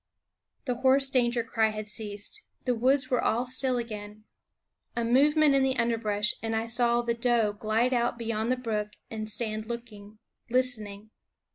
The hoarse danger cry had ceased; the woods were all still again. A movement in the underbrush, and I saw the doe glide out beyond the brook and stand looking, listen ing.